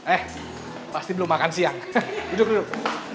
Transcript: eh pasti belum makan siang duduk duduk